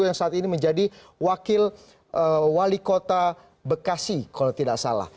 yang saat ini menjadi wakil wali kota bekasi kalau tidak salah